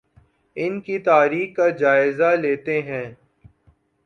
ان کی تاریخ کا جائزہ لیتے ہیں